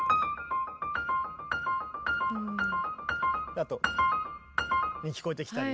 あと。に聞こえてきたり。